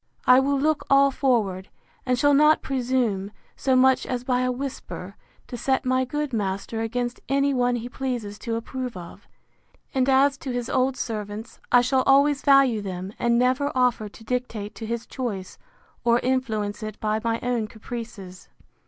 I will look all forward: and shall not presume, so much as by a whisper, to set my good master against any one he pleases to approve of: And as to his old servants, I shall always value them, and never offer to dictate to his choice, or influence it by my own caprices.